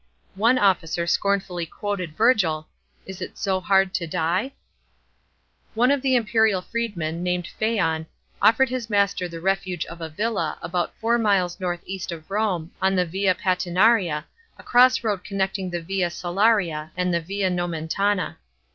One officer scornfully quoted Virgil, " Is it so hard to die ? >J A.D. DEATH OF .NERO. 297 One of the imperial freedmen, named Phaon, offered his the refuge of a villa, alxnit four miles north east of Home, on the Via Patinaria, a cross road connecting the Via Salaria and the Via Nomentana.